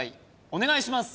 お願いします